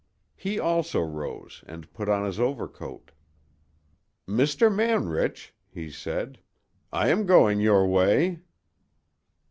He also rose and put on his overcoat. "Mr. Manrich," he said, "I am going your way."